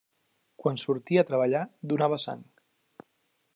Quan sortia de treballar donava sang.